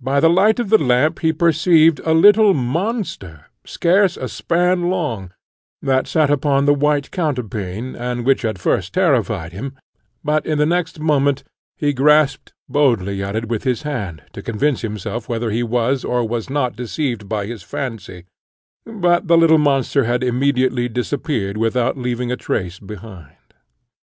By the light of the lamp he perceived a little monster, scarce a span long, that sate upon the white counterpane, and which at first terrified him, but in the next moment he grasped boldly at it with his hand, to convince himself whether he was or was not deceived by his fancy; but the little monster had immediately disappeared without leaving a trace behind.